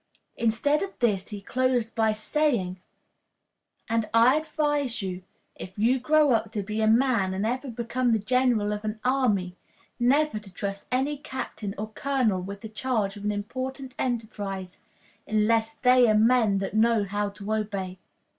Instead of this he closed by saying: "And I advise you, if you grow up to be a man and ever become the general of an army, never to trust any captain or colonel with the charge of an important enterprise, unless they are men that know how to obey."